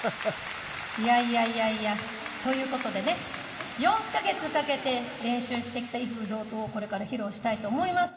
いやいやいやという事でね４カ月かけて練習してきた『威風堂々』をこれから披露したいと思います。